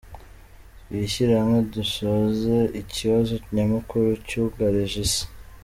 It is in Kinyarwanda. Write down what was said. Twishyire hamwe dusoze icyibazo nyamukuru cyugarije isi.